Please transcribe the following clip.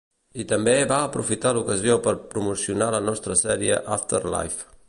I també va aprofitar l'ocasió per promocionar la nostra sèrie After Life.